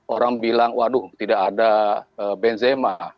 orang bilang waduh tidak ada benzema